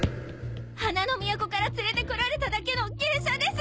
花の都から連れてこられただけの芸者です！